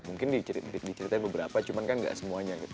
mungkin diceritain beberapa cuman kan nggak semuanya gitu